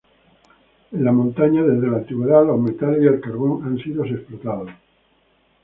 En las montañas, desde la antigüedad, los metales y el carbón han sido explotados.